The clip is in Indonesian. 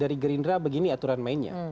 dari gerindra begini aturan mainnya